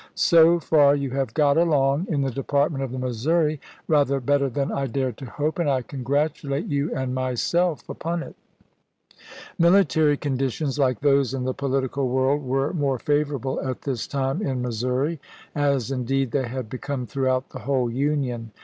So far you have got along ^.,, in the Department of the Missouri rather better than I Lincoln tof^ ,i, t ,„ Rosecrans, dared to hopc ; and i congratulate you and myself ^^"ms. ' upon it. Sherman, Military conditions, like those in the political world, were more favorable at this time in Mis souri ; as indeed they had become throughout the whole Union.